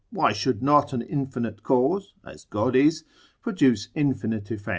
Why should not an infinite cause (as God is) produce infinite effects?